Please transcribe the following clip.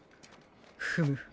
フム。